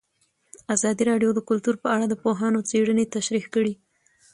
ازادي راډیو د کلتور په اړه د پوهانو څېړنې تشریح کړې.